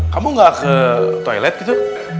kamu gak ke toilet gitu